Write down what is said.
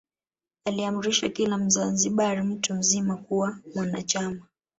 Aliamrisha kila Mzanzibari mtu mzima kuwa mwanachama